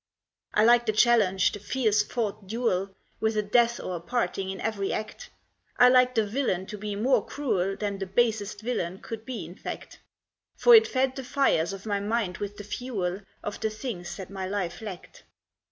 I liked the challenge, the fierce fought duel, With a death or a parting in every act. I liked the villain to be more cruel Than the basest villain could be in fact: For it fed the fires of my mind with the fuel Of the things that my life lacked.